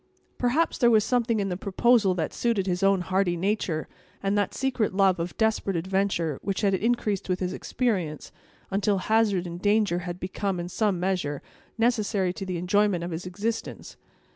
Perhaps there was something in the proposal that suited his own hardy nature, and that secret love of desperate adventure, which had increased with his experience, until hazard and danger had become, in some measure, necessary to the enjoyment of his existence.